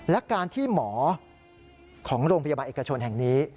และการที่หมอของโรงพยาบาลเอกชนแห่งนี้